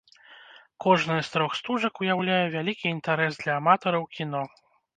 Кожная з трох стужак уяўляе вялікі інтарэс для аматараў кіно.